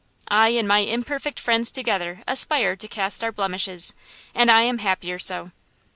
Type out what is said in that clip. I and my imperfect friends together aspire to cast our blemishes, and I am happier so.